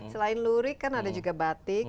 selain lurik kan ada juga batik